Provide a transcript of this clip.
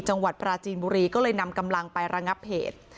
จังหวัดปราจีนบุรีก็เลยนำกำลังไประงับเหตุ